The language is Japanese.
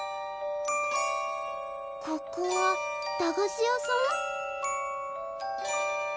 ここは駄菓子屋さん？